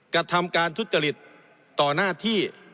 กระทำการทุจริตต่อหน้าที่